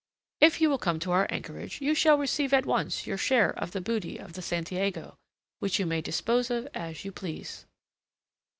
"If you will come to our anchorage, you shall receive at once your share of the booty of the Santiago, that you may dispose of it as you please."